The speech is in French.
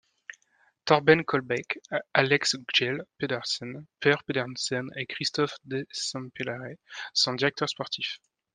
Torben Kølbæk, Alex Kjeld Pedersen, Per Pedersen et Christophe Desimpelaere sont directeur sportifs.